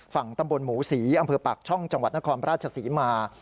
ฝั่งตำบลหมูศรีอำเภอปากช่องจังหวัดนครราชศรีมา